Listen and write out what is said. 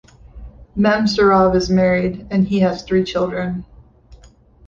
Mamsurov is married, and he has three children.